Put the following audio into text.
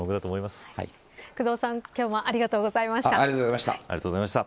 工藤さん、今日もありがとうございました。